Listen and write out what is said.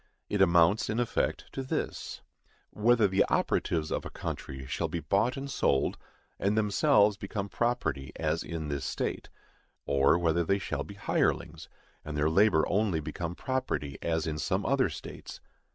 It amounts, in effect, to this,—_Whether the operatives of a country shall be bought and sold, and themselves become property, as in this state; or whether they shall be hirelings, and their labor only become property, as in some other states_.